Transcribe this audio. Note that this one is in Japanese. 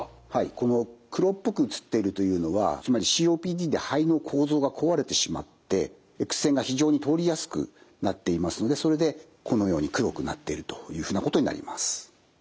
この黒っぽく写っているというのはつまりＣＯＰＤで肺の構造が壊れてしまってＸ線が非常に通りやすくなっていますのでそれでこのように黒くなっているというふうなことになります。